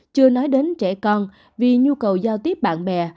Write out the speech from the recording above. chưa nói đến trẻ con vì nhu cầu giao tiếp bạn bè